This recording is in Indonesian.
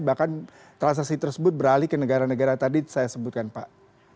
bahkan transaksi tersebut beralih ke negara negara tadi saya sebutkan pak